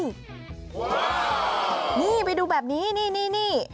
ว้าวนี่ไปดูแบบนี้นี่นี่